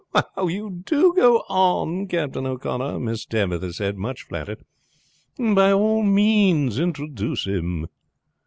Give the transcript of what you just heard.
"How you do go on, Captain O'Connor," Miss Tabitha said, much flattered. "By all means introduce him."